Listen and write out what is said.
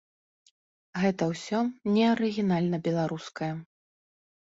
Гэта ўсё не арыгінальна-беларускае.